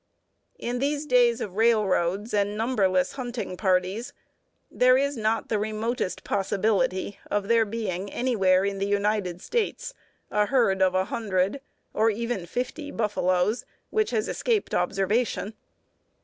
In these days of railroads and numberless hunting parties, there is not the remotest possibility of there being anywhere in the United States a herd of a hundred, or even fifty, buffaloes which has escaped observation.